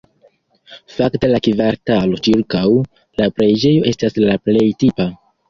Fakte la kvartalo ĉirkaŭ la preĝejo estas la plej tipa.